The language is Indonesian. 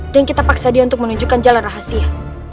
dan kita paksa dia untuk menunjukkan jalan rahasia